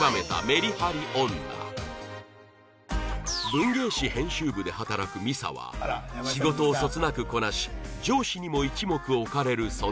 文芸誌編集部で働くミサは仕事をそつなくこなし上司にも一目置かれる存在